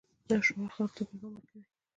دا شعار خلکو ته پیغام ورکوي.